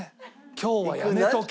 今日はやめとけ。